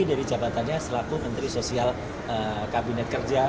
dari jabatannya selaku menteri sosial kabinet kerja